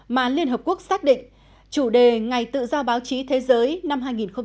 mà liên hợp quốc xác định chủ đề ngày tự do báo chí thế giới năm hai nghìn một mươi chín